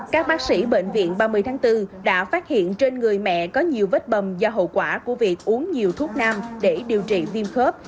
các bác sĩ bệnh viện ba mươi tháng bốn đã phát hiện trên người mẹ có nhiều vết bầm do hậu quả của việc uống nhiều thuốc nam để điều trị viêm khớp